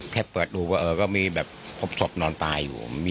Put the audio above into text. แค่เปิดดูก็เอ่อก็มีแบบภพศพนอนตายอยู่